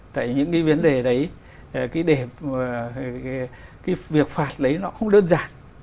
tại những cái vấn đề đấy cái việc phạt đấy nó không đơn giản